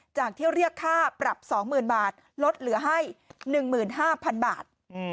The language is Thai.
จากที่เรียกค่าปรับ๒๐๐๐บาทลดเหลือให้๑๕๐๐๐บาท